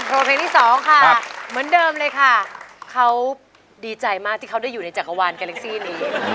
อินโทรเพลงที่สองครับเมื่อเดิมเลยค่ะเค้าดีใจมากที่ได้อยู่ในจักรวาลแกแลคซี่นี่